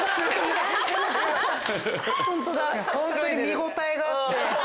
ホントに見応えがあって。